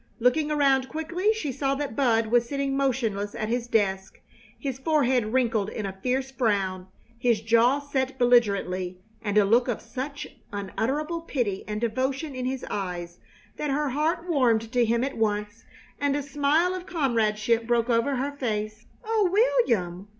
Looking around quickly, she saw that Bud was sitting motionless at his desk, his forehead wrinkled in a fierce frown, his jaw set belligerently, and a look of such, unutterable pity and devotion in his eyes that her heart warmed to him at once and a smile of comradeship broke over her face. "Oh, William!